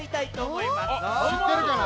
しってるかな？